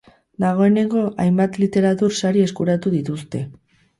Dagoeneko hainbat literatur sari eskuratu dituzte.